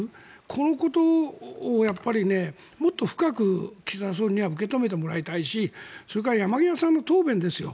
このことをもっと深く岸田総理には受け止めてもらいたいしそれから山際さんの答弁ですよ。